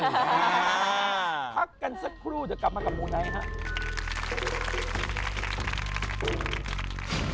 พักกันสักครู่เดี๋ยวกลับมากับมูไนท์ครับ